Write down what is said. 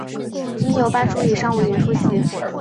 应有半数以上委员出席